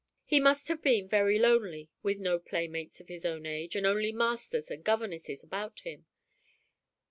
He must have been very lonely with no playmates of his own age and only masters and governesses about him.